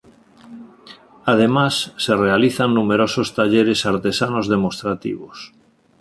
Además, se realizan numerosos talleres artesanos demostrativos.